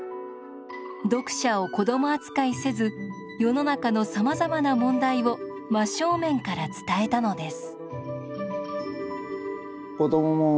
読者を子ども扱いせず世の中のさまざまな問題を真正面から伝えたのです。